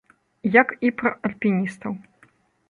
Як і пра альпіністаў.